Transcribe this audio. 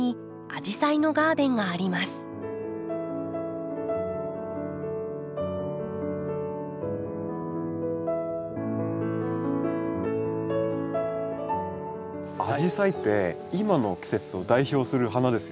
アジサイって今の季節を代表する花ですよね。